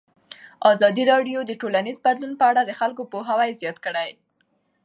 ازادي راډیو د ټولنیز بدلون په اړه د خلکو پوهاوی زیات کړی.